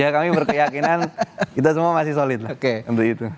ya kami berkeyakinan kita semua masih solid lah untuk itu